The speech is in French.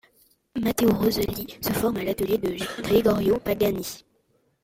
Matteo Rosselli se forme à l'atelier de Gregorio Pagani.